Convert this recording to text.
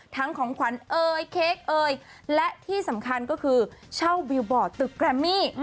ของขวัญเอยเค้กเอยและที่สำคัญก็คือเช่าบิวบอร์ดตึกแกรมมี่